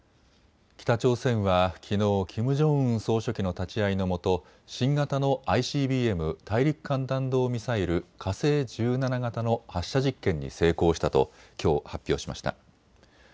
北朝鮮はきのうキム・ジョンウン総書記の立ち会いのもと新型のＩＣＢＭ・大陸間弾道ミサイル火星１７型の発射実験に成功したときょう発表しました。